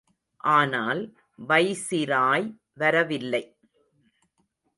ஆனால் வைசிராய் வரவில்லை.